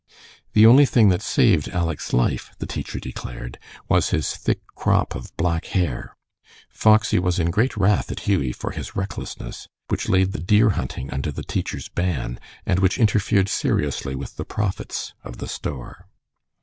The only thing that saved Aleck's life, the teacher declared, was his thick crop of black hair. Foxy was in great wrath at Hughie for his recklessness, which laid the deer hunting under the teacher's ban, and which interfered seriously with the profits of the store.